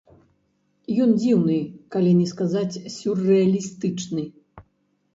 Ён дзіўны, калі не сказаць сюррэалістычны.